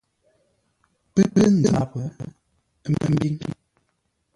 Pə́ pə̂ nzáp, ə́ mə́ mbíŋ: